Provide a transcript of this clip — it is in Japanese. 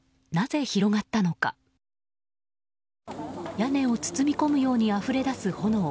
屋根を包み込むようにあふれ出す炎。